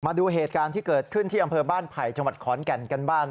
มาดูเหตุการณ์ที่เกิดขึ้นที่อำเภอบ้านไผ่จังหวัดขอนแก่นกันบ้าง